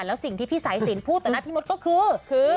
แล้วสิ่งที่พี่สายสินพูดต่อหน้าพี่มดก็คือ